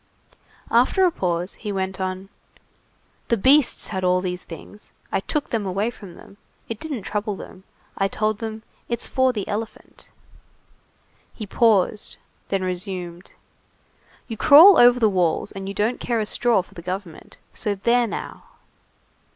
After a pause he went on:— "The beasts had all these things. I took them away from them. It didn't trouble them. I told them: 'It's for the elephant.'" He paused, and then resumed:— "You crawl over the walls and you don't care a straw for the government. So there now!"